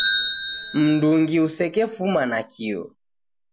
Mndungi usekefuma nakio.